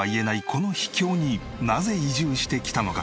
この秘境になぜ移住してきたのか？